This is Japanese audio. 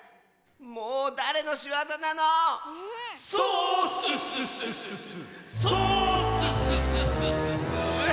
もうだれのしわざなの⁉・ソーッスッスッスッスッスッソーッスッスッスッスッスッスッ。